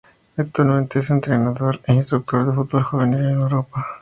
Actualmente es entrenador e instructor de fútbol juvenil en Europa.